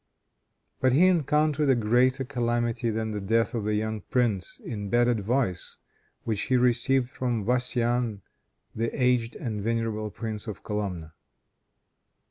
But he encountered a greater calamity than the death of the young prince, in bad advice which he received from Vassian, the aged and venerable prince of Kolumna.